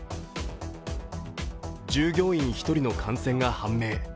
従業員１人の感染が判明。